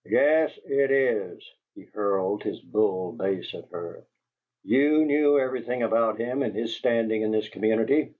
"Yes, it is!" He hurled his bull bass at her. "You knew everything about him and his standing in this community!